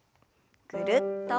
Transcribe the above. ぐるっと。